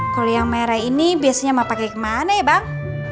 kalo yang merah ini biasanya emak pake kemana ya bang